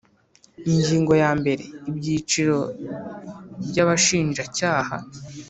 Ingingo ya mbere Ibyiciro by abashinjacyaha